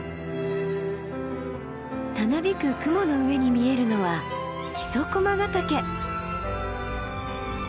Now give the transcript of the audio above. たなびく雲の上に見えるのは木曽駒ヶ岳。